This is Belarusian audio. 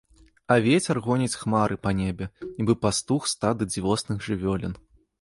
А вецер гоніць хмары па небе, нібы пастух стады дзівосных жывёлін.